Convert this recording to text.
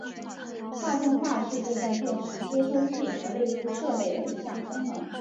画中画是部分电视接收器和类似设备的一项功能。